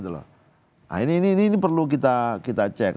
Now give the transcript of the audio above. nah ini perlu kita cek